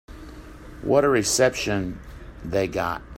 What a reception they got.